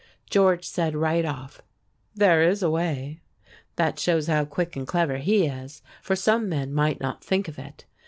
George said right off, "There is a way." That shows how quick and clever he is, for some men might not think of it.